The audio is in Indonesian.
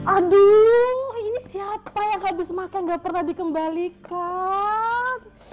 aduh ini siapa yang habis makan gak pernah dikembalikan